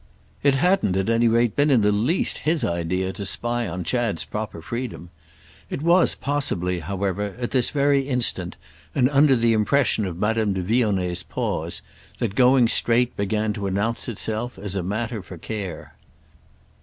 It hadn't at any rate been in the least his idea to spy on Chad's proper freedom. It was possibly, however, at this very instant and under the impression of Madame de Vionnet's pause, that going straight began to announce itself as a matter for care.